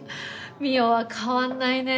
望緒は変わんないね。